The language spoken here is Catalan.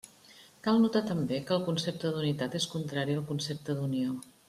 Cal notar també que el concepte d'unitat és contrari al concepte d'unió.